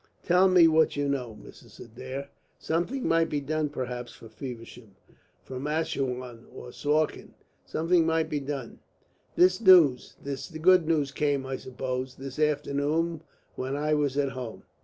Tell me what you know, Mrs. Adair. Something might be done perhaps for Feversham. From Assouan or Suakin something might be done. This news this good news came, I suppose, this afternoon when I was at home."